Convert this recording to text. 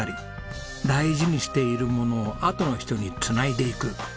大事にしているものをあとの人に繋いでいく。